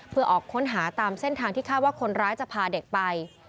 เพื่อออกค้นหาตามเส้นทางที่คาดว่าคนร้ายจะพาเด็กไป